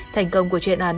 thành công của chuyên án